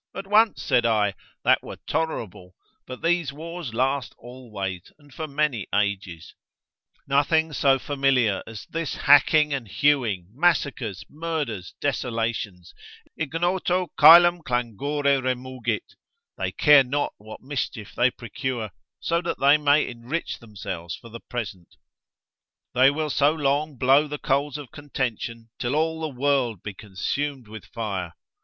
At once, said I, that were tolerable, but these wars last always, and for many ages; nothing so familiar as this hacking and hewing, massacres, murders, desolations—ignoto coelum clangore remugit, they care not what mischief they procure, so that they may enrich themselves for the present; they will so long blow the coals of contention, till all the world be consumed with fire.